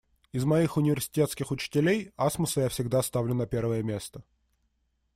Из моих университетских учителей, Асмуса я всегда ставлю на первое место.